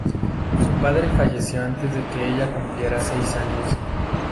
Su padre falleció antes de que ella cumpliera seis años.